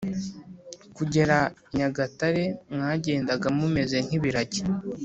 kugera inyagatare mwagendaga mumeze nkibiragi?”